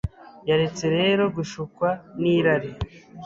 Yaretse rero gushukwa n'irari